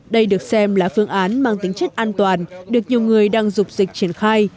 đây được xem là phương án mang tính chất an toàn được nhiều người đang dục dịch triển khai